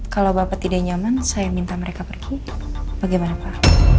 kalau bapak tidak nyaman saya minta mereka pergi bagaimana pak